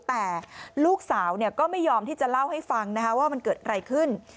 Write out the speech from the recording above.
แต่ลูกสาวก็ไม่ยอมที่จะเล่าให้ฟังว่ามันเกิดอะไรขึ้น